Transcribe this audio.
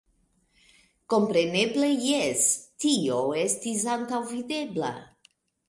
Kompreneble jes, tio estis antaŭvidebla.